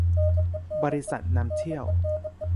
บริษัทนำเที่ยว